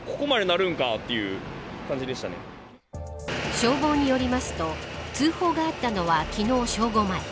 消防によりますと通報があったのは昨日正午前。